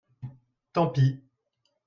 Tant pis.